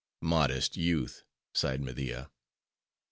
"Modest youth!" sighed Media.